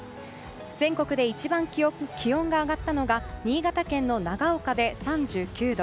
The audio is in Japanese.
全国で一番気温が上がったのが新潟県の長岡で、３９度。